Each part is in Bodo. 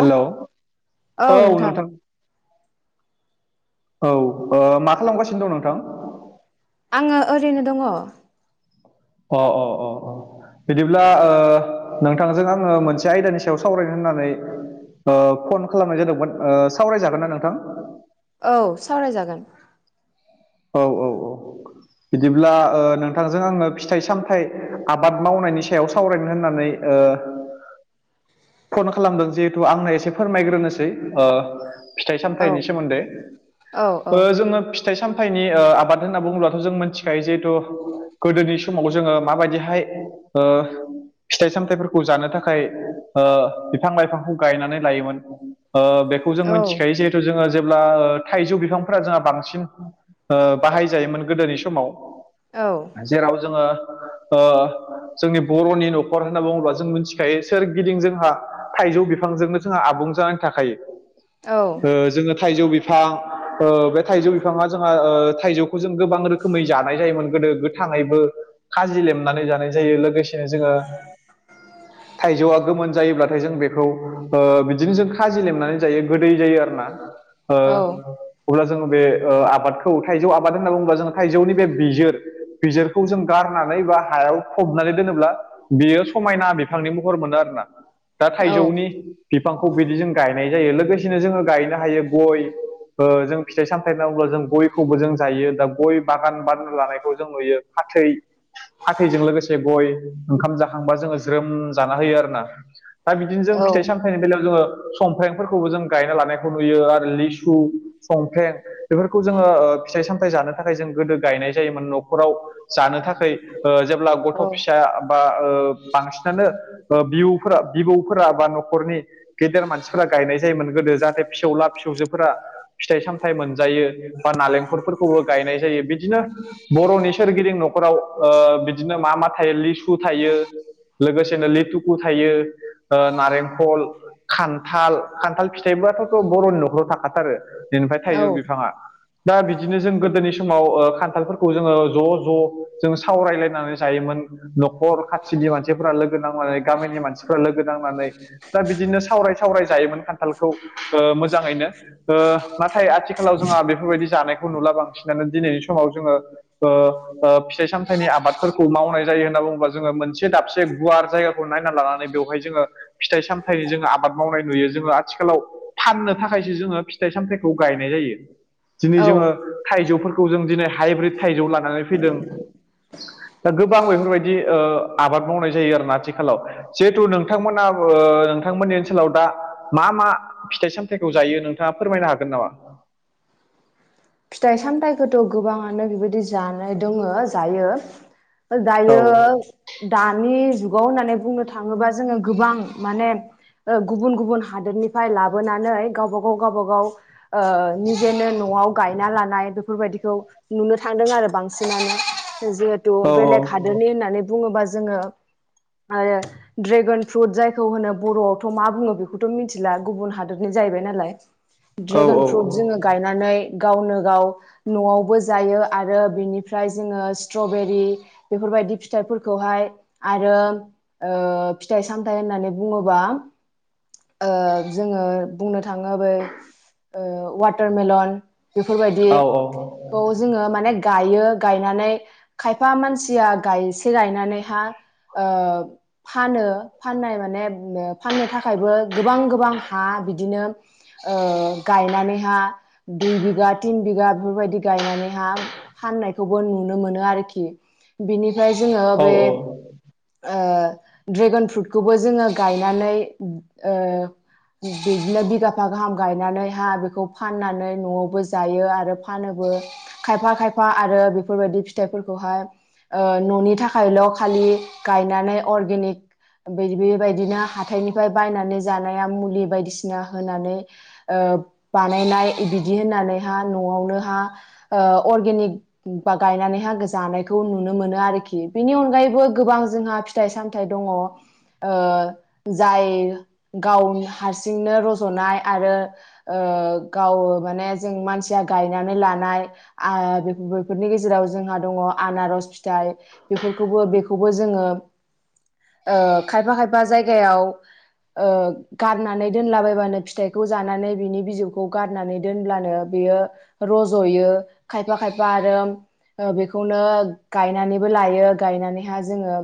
हेलौ औ नोंथां। औ ओ मा खालामगासिनो दं नोंथां? आङो ओरैनो दङ। अ अ अ अ बिदिब्ला ओ नोंथांजों आङो मोनसे आयदानि सायाव सावरानो होननानै ओ फन खालामनाय जादोंमोन ओ सावरायजागोन ना नोंथां। औ सावरायजागोन। औ औ औ बिदिब्ला ओ नोंथांजों आङो फिथाइ सामथाइ आबाद मावनायनि सायाव सावरायनो होननानै ओ फन खालामदों जिहेथु आंनो एसे फोरमायग्रोनोसै ओ फिथाइ औ सामथाइनि सोमोन्दै औ औ ओ जोङो फिथाइ सामथथायनि ओ आबाद होनना बुङोब्लाथ' जों मिथिखायो जिहेथु गोदोनि समाव जोङो माबायदिहाय ओ फिथाइ सामथाइफोरखौ जानो थाखाय ओ बिफां लाइफांखौ गायनानै लायोमोन ओ बेखौ जों औ मिथिखायो जे जोङो जेब्ला थाइजौ बिफांफोरा जोंहा बांसिन ओ बाहायजायोमोन गोदोनि समाव औ जेराव जोङो ओ जोंनि बर'नि न'खर होनना बुङोब्ला जों मिथिखायो सोर गिदिं जोंहा थाइजौ बिफांजोंनो जोंहा आबुं जानानै थाखायो औ ओ जोङो थाइजौ बिफां ओ बे थाइजौ बिफाङा जोंहा ओ थाइजौखौ जों गोबां रोखोमै जानाय जायोमोन गोदो गोथाङैबो खाजि लेमनानै जानाय जायो लोगोसेनो जोङो थाइजौआ गोमोन जायोब्लाथाय जों बेखौ ओ बिदिनो जों खाजि लेमनानै जायो गोदै जायो आरोना ओ अब्ला जोङो बे ओ आबादखौ थाइजौ आबाद होनना बुङोब्ला जोङो थाइजौनि बे बिजिर बिजिरखौ जों गारनानै बा हायाव फबनानै दोनोब्ला बियो समायना बिफांनि महर मोनो आरोना दा औ थाइजौनि बिफांखौ बिदि जों गायनाय जायो लोगोसेनो जोङो गायनो हायो गय ओ जों फिथाइ सामथायाइ होनांगब्ला जों गयखौबो जों जायो दा गय बागान बार लानायखौ जों नुयो फाथै फाथैजों लोगोसे गय ओंखाम जाखांबा जोङो ज्रोम जाना होयो आरोना। दा बिदिनो जों औ फिथाइ सामथाइ बेलायाव जोङो समंफ्रेंफोरखौबो जों गायना लानायखौ नुयो आरो लिसु संफ्रें बेफोरखौ जोङो ओ फिथाइ सामथायाइ जानो थाखाय जों गोदो गायनाय जायोमोन न'खराव जानो थाखाय ओ जेब्ला गथ' फिसा बा ओ बांसिनानो ओ बिउ फोर बिबौफोरा बा न'खरनि गेदेर मानसिफोरा गायनाय जायोमोन गोदो जाहाथे फिसौला फिसौजोफोरा फिथाइ सामथाइ मोनजायो बा नालेंखलफोरखौबो गायनाय जायो बिदिनो बर'नि सोरगिदिं न'खराव ओ बिदिनो मा मा थायो लिसु थायो। लोगोसेनो लिटुखु थायो ओ नारेंखल खान्थाल खान्थाल फिथाइबोथ'थ' बर'नि न'खराव थाखाथारो दिनिफ्राय औ थाइजौ बिफाङा दा बिदिनो जों गोदोनि समाव ओ खान्थालफोरखौ जोङो ज' ज' जों सावरायलायनानै जायोमोन न'खर खाथिनि मानसिफोरा लोगो नांनानै गामिनि मानसिफ्रा लोगो नांनानै दा बिदिनो सावराय सावराय जायोमोन खान्थालखौ ओ मोजाङैनो ओ नाथाय आथिखालाव जोंहा बेफोरबायदि जानायखौ नुला बांसिनानो दिनैनि समाव जोङो ओ ओ फिथाइ सामथाइनि आबादफोरखौ मावनाय जायो होनना बुङोबा जोङो मोनसे दाबसे गुवार जायगा खौनायना लानानै बेवहाय जोङो फिथाइ सामथाइनि जोङो आबाद मावनाय नुयो जोङो आथिखालाव फाननो थाखायसो जोङो फिथाइ सामथायखौ गायनाय जायो। दिनै औ जोङो थाइजौफोरखौ जों दिनै हाइब्रिद थाइजौ लानानै फैदों दा गोबां बेफोरबाय ओ आबाद मावनाय जायो आरो ना खालाव जिहेथु नोंथांमोनाबो नोंथांमोननि ओनसोलाव दा मा मा फिथाइ सामथाइखौ जायो नोंथाङा फोरमायनो हागोन नामा? फिथाइ सामथाइखौथ' गोबाङानो बेबायदि जानाय दङ जायो। दायो औ दानि जुगाव होननानै बुंनो थाङोबा जोङो गोबां माने ओ गुबुन गुबुन हादोरनिफ्राय लाबोनानै गावबा गाव गावबा गाव ओ निजेनो न'आव गायना लानाय बेफोरबायदिखौ नुनो थांदों आरो बांसिनानो जोथ दु औ बेलेग हादोरनि होननानै बुङोबा जोङो आरो ड्रेगन फ्रुट जायखौ होनो बर'आवथ' मा बुङो बेखौथ' मिथिला गुबुन हादरनि जाहैबाय नालाय [unintelligible] ड्रेगन फ्रुट जोङो गायनानै गावनो गाव न'आवबो जायो आरो बिनिफ्राय जोङो स्ट्रबेरि बेफोरबायदि फिथाइफोरखौहाय आरो ओ फिथाइ सामथाइ होननानै बुङोबा ओ जोङो बुंनो थाङो बै ओ वाटारमेलन औ औ बेफोरबायदिखौ जोङो माने गायो गायनानै खायफा मानसिया गायसे गायनानैहा ओ फानो फाननाय माने फाननो थाखायबो गोबां गोबांहा बिदिनो ओ गायनानैहा दुइ बिग गोया थिन बिघा बेफोबायदि गायनानैहा फाननायखौबो नुनो मोनो आरोखि। बिनिफ्राय जोङो औ बे ओ ड्रेगन फ्रुटखौबो जोङो गायनानै ओ बिदिनो बिगाफा गाहाम गायनानैहा बेखौ फाननानै न'आवबो जायो आरो फानोबो। खायफा खायफा आरो बेफोरबायदि फिथाइफोरखौहाय ओ न'नि थाखायल' खालि गायनानै अर्गेनिक बै बेबायदिनो हाथाइनिफ्राय बायनानै जानाया मुलि बायदिसिना होनानै ओ बानायनाय बिदि होननानैहा न'आवनो हा ओ अर्गेनिक बा गायनानैहा जानायखौ नुनो मोनो आरोखि बेनि अनगायैबो गोबां जोंहा फिथाइ सामथाइ दङ ओ जाय गाव हारसिंनो रज'नाय आरो ओ गावो माने जों मानसिया गायनानै लानाय आ बे-बेफोरनि गेजेराव जोंहा दङ आनारस फिथाइ बेफोरखौबो बेखौबो जोङो ओ खायफा खायफा जायगायाव ओ गारनानै दोनलाबायबानो फिथाइखौ जानानै बिनि बिजौखौ गारनानै दोनब्लानो बेयो रज'यो खायफा खायफा आरो ओ बेख बेखौनो गायनानैबो लायो गायनानैहा जोङो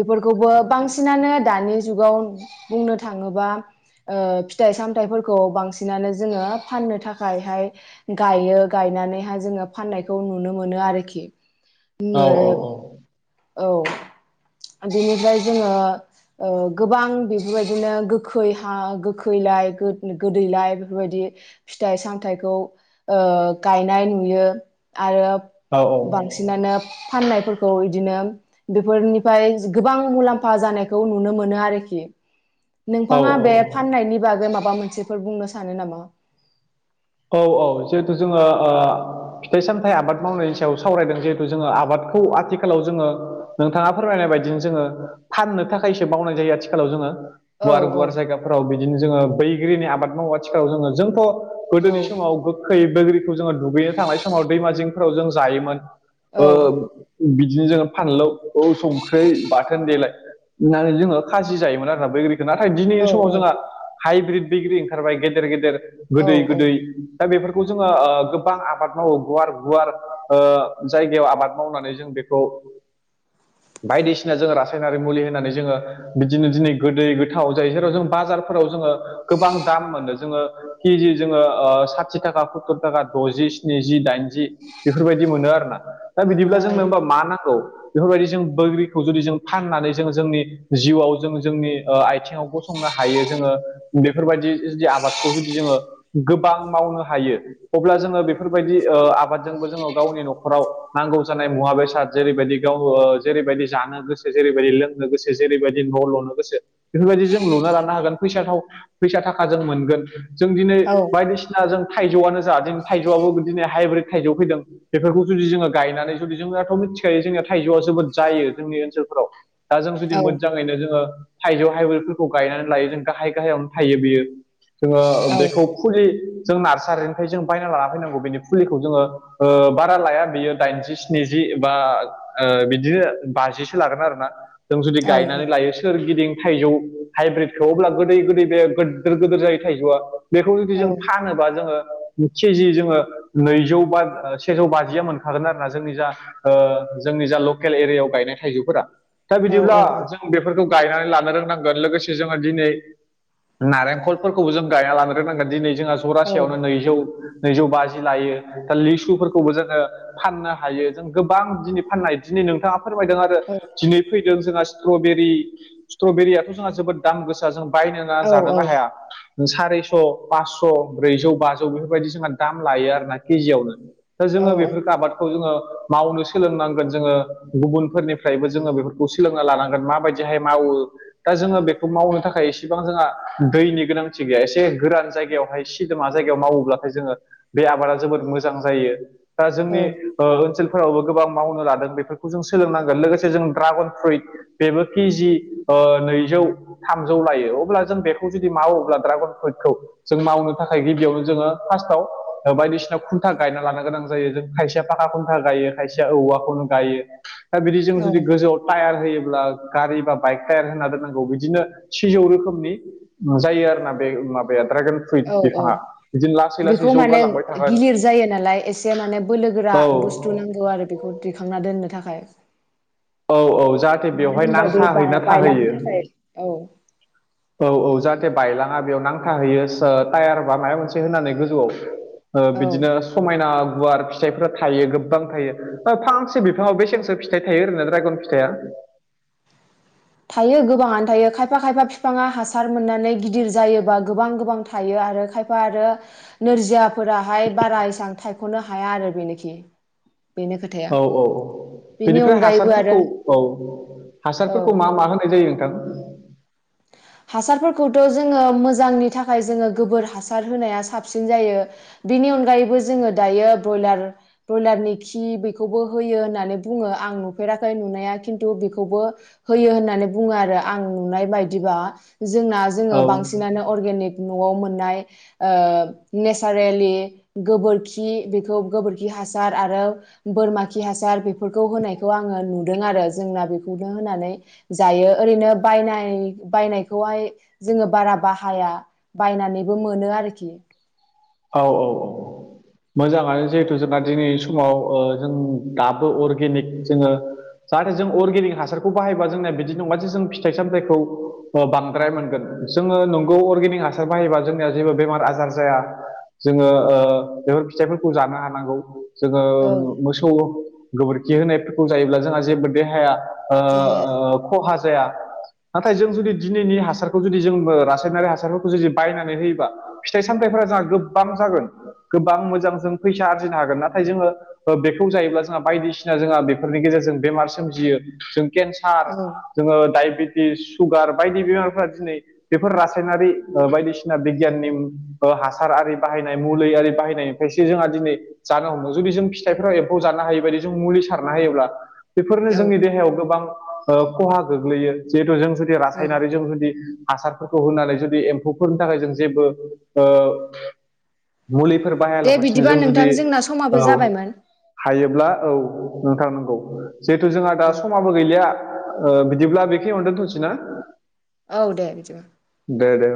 बेफोरखौबो बांसिनानो दानि जुगाव बुंनो थाङोबा ओ फिथाइ सामथाइफोरखौ बांसिनानो जोङो फाननो थाखायहाय गायो गायनानैहाय जोङो फाननायखौ नुनो मोनो आरोखि। औ हमनो औ बेनिफ्राय जोङो ओ गोबां बेफोरबायदिनो गोखै हा गोखैलाय गोदैलाय बेफोरबायदि फिथाइ सामथाइखौ ओ गायनाय नुयो आरो। औ औ अ सिनानोब फाननायफोरखौ इदिनो बेफोरनि फाय गोबां मुलाम्फा जानायखौ नुनो मोनो आरोखि औ नोंथाङा बे औ फाननायनि बागै माबा मोनसेफोर बुंनो सानो नामा? औ औ जेथु जोङो ओ फिथाइ सामथाइ आबाद मावनायनि सायाव सावरायदों जेथु जोंङो आबादखौ आथिखालाव जोंङो नोंथाङा फोरमायनाय बायदिनो जोङो फाननो थाखायसो बावनाय जायो आथिखालाव जोंङो औ गुवार औ गुवार जायगाफ्राव बिदिनो जोंङो बैग्रिनि आबाद मावो आथिखाव जोंङो जोंथ औ गोदोनि समाव गोखै बोग्रिखौ जोंङो दुगैनो थांनाय समाव दैमा जिंफोराव जों जायोमोन औ ओ बिदिनो जोंङो फानलौ औ संख्रै बाथोन देलाय ओनानै जोंङो खाजि जायोमोन आरो ना बैग्रि नाथाय दिनि औ समाव जोंहा हाइब्रिड बग्रि ओंखारबाय गेदेर गेदेर औ गोदै औ गोदै दा बेफोरखौ जोंङो ओ गोबां आबाद मावो गुवार गुवार ओ जायगायाव आबाद मावनानै जों बेखौ बायदिसिना जोङो रासायनारि मुलि होनानै जोंङो बिदिनो दिनै गोदै गोथाव जाय जेराव जों बाजारफोराव जोंङो गोबां दाम मोनो जोंङो हि जि जोङो साथि थाखा सत्तुर थाखा दजि स्निजि दाइनजि बेफोरबायदि मोनो आरोना दा मोनो बिदिब्ला औ जोंनो होमबा मा नांगौ बेफोरबायदि जों बग्रिखौ जुदि जों फाननानै जोंङो जोंनि जिउआव जों जोंनि आथिङाव गसंनो हायो जोंङो बेफोरबायदि जुदि आबादखौ जुदि जोंङो गोबां मावनो हायो अब्ला जोंङो बेफोरबायदि आबादजोंबो जोंङो गावनि नखराव नांगौ जानाय मुवा बेसाद जेरैबायदि गाव जेरैबायदि जानो गोसो जेरैबायदि लोंनो गोसो जेरैबायदि न लनो गोसो बेफोरबायदि जों लुना लानो हागोन फैसा फैसा थाखा जों मोनगोन जों दिनै औ बायदिसिना जों थाइजौआनो जा जोंनि थाइजौआबो दिनै हाइब्रिद थाइजौ फैदों बेफोरखौ जुदि जोङो गायनानै जुदि जोंनाथ मिथिखायो जोंनिया थाइजौआ जोबोद जायो जोंनि ओनसोलफोराव दा जों जुदि औ मोजाङैनो जोंङो थाइजौ हाइवफोरखौ गायनानै लायो जों गाहाय गाहायावनो थायो बियो जोंङो बेखौ फुलि जों नारसारिनिफ्राय जों बायना लाना फैनांगौ बेनि फुलिखौ जोंङो बारा लाया बियो दाइनजि स्निजि बा बिदिनो बाजिसो लागोन आरो ना जों जुदि औ गायनानै लायो सोरगिदिं थाइजौ हाइब्रिदखौब्ला गोदै गोदै बे गिदिर गिदिर जायो थाइजौआ बे खौ जुदि औ जों फानोबा जोंङो केजि जोंङो नैजौ बा सेजौ बाजिया मोनखागोन आरोना जोंनि जा जोंनि जा लकेल एरियायाव गायनाय थाइजौफोरा दा औ बिदिब्ला औ औ जों बेफोरखौ गायनानै लानो रोंनांगोन लोगोसे जोंङो दिनै नारेंखलफोरखौबो जों गायना लानो नांगोन दिनै जोंहा औ जरासेयावनो नैजौ नैजौ बाजि लायो दा लिसुफोरखौबो जोंङो फाननो हायो जों गोबां दिनै फाननाय दिनै नोंथाङा फोरमायदों आरो दिनै फैदों जोंहा स्ट्रबेरि स्ट्रबेरियाथ जोंहा जोबोद दाम गोसा जों बायङा ना औ जानोना हाया सारिस फास पासस ब्रैजौ बाजौ बेफोरबायदि जोंहा दाम लायो आरोना केजियावनो दा औ जोङो बेफोर आबादखौ जोंङो मावनो सोलोंनांगोन जोंङो गुबुनफोरनिफ्रायबो जोंङो बेफोरखौ सोलोंना लानांगोन माबायदिहाय मावो दा जोङो बेखौ मावनो थाखाय इसेबां जोंहा दैनि गोनांथि गैया एसे गोरान जायगायावहाय सिदोमा जायगायाव मावोब्लाथाय जोङो बे आबादा जोबोद मोजां जायो दा औ जोंनि ओनसोलफोरावबो गोबां मावनो लादों बेफोरखौ जों सोलोंनांगोन लोगोसे जों ड्रागन फ्रुइट बेबो के जि नैजौ थामजौ लायो अब्ला जों बेखौ जुदि मावोब्ला ड्रागन फ्रुइट खौ जों मावनो थाखाय गिबियावनो जोङो फार्स्टआव बायदिसिना खुन्था गायना लानो गोनां जों ज जों खायसेया फाखा खुन्था गायो खायसेया औवाखौनो गायो दा बिदि जों औ जुदि गोजौआव टायार होयोब्ला गारि बा बाइक टायार होना दोननांगौ बिदिनो सिजौ रोखोमनि जायो आरो ना बे माबाया दड्रागन फ्रुइट औ औ बिफाङा बिदिनो लासै लासै बेखौ माने जौगालांबाय थागोन गिलिर जायो नालाय एसे माने बोलोगोरा औ बुस्थु नांगौ आरो बेखौ दिखांना दोननो थाखाय औ औ जाहाथे बेवहाय नां होनबा बे बा- थाहैनाा बायलांनो थाहैयो। थाखाय औ औ औ जाहाथे बायलांङा बेयाव नांथाहैयो टायार बा माबा मोनसे होनानै गोजौआव औ बिदिनो समायना गुवार फिथाइफोरा थायो गोबां थायो फांसे बिफाङाव बेसेनसो फिथाइ थायो ओरैनो दड्रायगन फि थाइया थायो गोबांङानो थायो खायफा खायफा बिफाङा हासार मोननानै गिदिर जायोबा गोबां गोबां थायो आरो खायफा आरो नोरजियाफोराहाय बारा इसेबां थायख'नो हाया आरो बेनोखि बेनो खोथाया औ औ बेनि बेनिफ्राय अनगायैबो आरो हासारफोरखौ औ औ हासारफोरखौ मा मा होनाय जायो नोंथां हासारफोरखौथ' जोंङो मोजांनि थाखाय जोङो गोबोर हासार होनाया साबसिन जायो। बिनि अनगायैबो जोंङो दायो बयलार ब्रयलारनि खि बेखौबो होयो होननानै बुङो आं नुफेराखै नुनाया खिन्थु बेखौबो होयो होननानै बुङो आरो आं नुनाय बायदिबा जोंना जोङो औ बांसिनानो अर्गेनिक न'आव मोननाय ओ नेचारेलि गोबोरखि बेखौ गोबोरखि हासार आरो बोरमा खि हासार बेफोरखौ होनायखौ आंङो नुदों आरो जोंना बेखौनो होनानै जायो ओरैनो बायनाय बायनायखौहाय जोंङो बारा बाहाया बायनानैबो मोनो आरोखि औ औ औ मोजांङानो जिहेथु जोंना दिनै समाव ओ जों दाबो अर्गेनिक जोंङो। जाहाथे जों अर्गेनिक हासारखौ बाहायबा जोंनाया बिदि नंङा जे जों फिथाइ सामथाइखौ बांद्राय मोनगोन जोङो नंगौ अर्गेनिक हासार बाहायोबा जोंनिया जेबो बेमार आजार जाया जोंङो ओ बेफोर फिथाइफोरखौ जानो हानांगौ जोंङो औ मोसौ गोबोरखि होनायफोरखौ जायोब्ला जोंहा जेबो देहाया ओ देहाया ओ खहा जाया नाथाय जों जुदि दिनैनि हासारखौ जुदि जों रासायनारि हासारफोरखौ जुदि बायनानै होयोबा फिथाइ सामथाइफोरा जोंहा गोबां जागोन गोबां मोजां जों फैसा आरजिनो हागोन नाथाय जोंङो। बेखौ जायोब्ला जोंहा बायदिसिना जोंहा बेफोरनि गेजेरजों बेमार सोमजियो जों केन्सार सार औ जोंङो डाइबेटिस सुगार बायदि बेमारफ्रा दिनै बेफोर रासायनारि बायदिसिना बिगियाननि हासार आरि बाहायनाय मुलि आरि बाहायनायनिफ्रायसो जोंहा दिनै जानो हमो जुदि जों फिथाइफोराव एम्फौ जानो हायि बायदि जों मुलि सारना हायोब्ला बेफोरनो औ जोंनि देहायाव गोबां खहा गोग्लैयो जिहेथु जों जुदि औ रासायनारि जों जुदि हासारफोरखौ होनानै जुदि एम्फौफोरनि थाखाय जों जेबो ओ मुलिफोर दे बाहायालाबासिनो बिदिबा जों जुदि नोंथां जोंना समाबो औ जाबायमोन हायोब्ला औ नोंथां नंगौ जिहेथु जोंहा दा औ समा गैलिया ओ बिदिब्ला बे खिनियाव दोंनथनोसै ना औ दे बिदिबा दे दे